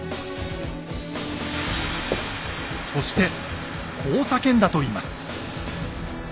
そしてこう叫んだといいます。